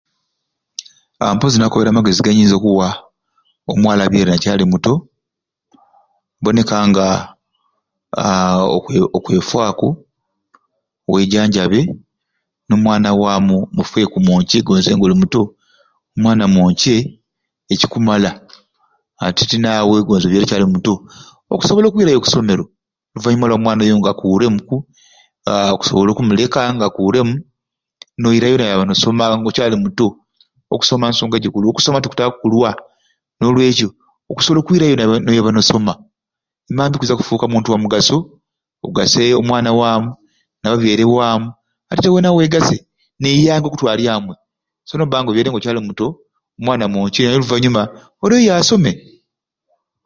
Aaa mpozi nakobere amagezi genyinza okuwa omwala abyaire nga acaali muto, boneka nga aa okwei okwefaaku wejanjabe n'omwana waamu mufeeku mwonce gonza nga oli muto omwana mwonce ekikumala ati ti naawe gonza obyaire ocaali muto okusobola okwirayo oku somero oluvanyuma lwa mwana oyo nga akuuremuku aa okusobola okumuleka nga akuuremu noirayo noyaba nosoma ng'okyali muto okusoma nsonga gikulu okusoma tikutaaku kulwa n'olwekyo okusobola okwirayo noda noyaba noyaba no soma emambya okwiiza kufuuka muntu wa mugaso ogase omwana waamu nababyaire waamu ate weena wegase neianga okutwarya amwe so nobba nga obyaire nga ocaali muto omwana mwonce naye oluvanyuma oireyo oyabe osome